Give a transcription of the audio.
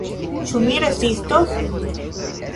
Ĉu mi rezistos?